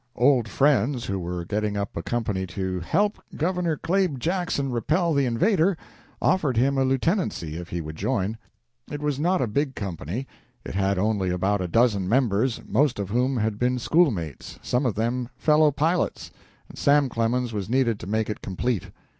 Old friends, who were getting up a company "to help Governor `Claib' Jackson repel the invader," offered him a lieutenancy if he would join. It was not a big company; it had only about a dozen members, most of whom had been schoolmates, some of them fellow pilots, and Sam Clemens was needed to make it complete.